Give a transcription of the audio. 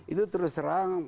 itu terus terang